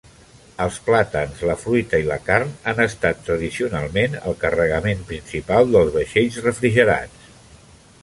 Els plàtans, la fruita i la carn han estat tradicionalment el carregament principal dels vaixells refrigerats.